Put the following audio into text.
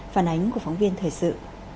phản ánh của phóng viên thời sự